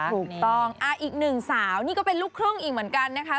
ถูกต้องอีกหนึ่งสาวนี่ก็เป็นลูกครึ่งอีกเหมือนกันนะคะ